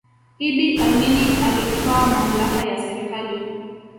iddi amini alitwaa mamlaka ya serikali